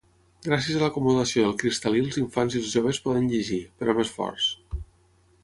Gràcies a l'acomodació del cristal·lí els infants i els joves poden llegir, però amb esforç.